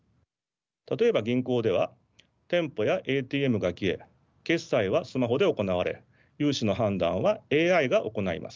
例えば銀行では店舗やＡＴＭが消え決済はスマホで行われ融資の判断はＡＩが行います。